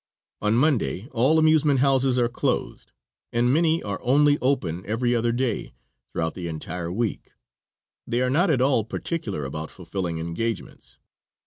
On Monday all amusement houses are closed and many are only open every other day throughout the entire week; they are not at all particular about fulfilling engagements.